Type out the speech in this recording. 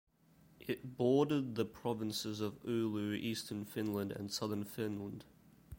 It bordered the provinces of Oulu, Eastern Finland and Southern Finland.